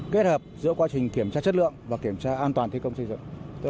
kết hợp giữa quá trình kiểm tra chất lượng và kiểm tra an toàn thi công xây dựng